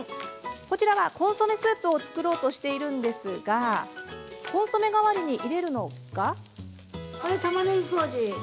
こちらはコンソメスープを作ろうとしているんですがコンソメ代わりに入れるのが。